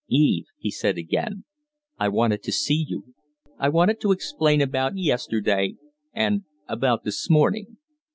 "Eve " he said again. "I wanted to see you I wanted to explain about yesterday and about this morning."